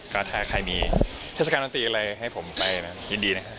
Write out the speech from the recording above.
ก็ถ้าใครมีเทศกาลดนตรีอะไรให้ผมไปนะยินดีนะครับ